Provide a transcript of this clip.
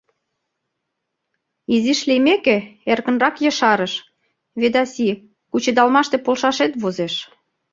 Изиш лиймеке, эркынрак ешарыш: — Ведаси, кучедалмаште полшашет возеш.